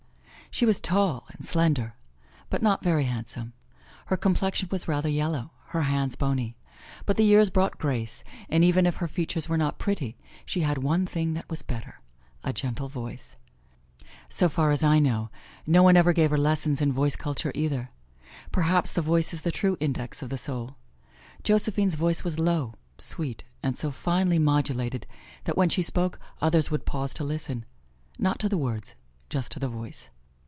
She was tall and slender, but not very handsome. Her complexion was rather yellow, her hands bony. But the years brought grace, and even if her features were not pretty she had one thing that was better, a gentle voice. So far as I know, no one ever gave her lessons in voice culture either. Perhaps the voice is the true index of the soul. Josephine's voice was low, sweet, and so finely modulated that when she spoke others would pause to listen not to the words, just to the voice.